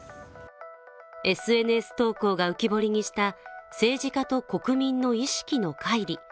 ＳＮＳ投稿が浮き彫りにした政治家と国民の意識のかい離。